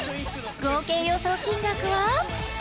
合計予想金額は？